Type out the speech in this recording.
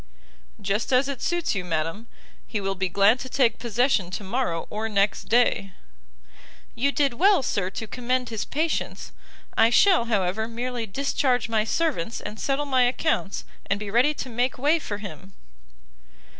"Just as it suits you, madam. He will be glad to take possession to morrow or next day." "You did well, Sir, to commend his patience! I shall, however, merely discharge my servants, and settle my accounts, and be ready to make way for him."